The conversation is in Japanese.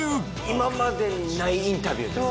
今までにないインタビューです。